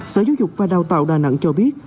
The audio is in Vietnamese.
sở giáo dục và đào tạo đà nẵng cho biết